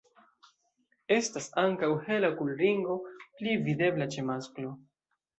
Estas ankaŭ hela okulringo, pli videbla ĉe masklo.